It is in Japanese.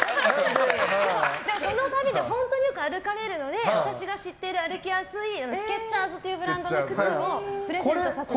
でも、その旅で本当によく歩かれるので私が知っている歩きやすいスケッチャーズというブランドの靴をプレゼントさせていただきました。